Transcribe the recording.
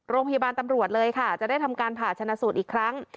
โรงพยาบาลตำรวจเลยค่ะจะได้ทำการผ่าชนะสูตรอีกครั้ง